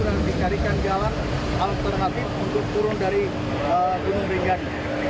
dan dicarikan jalan alternatif untuk turun dari gunung rinjani